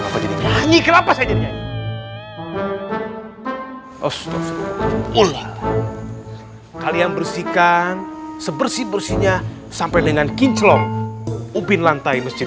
kalian bersihkan sebersih bersihnya sampai dengan kinclong upin lantai mesjid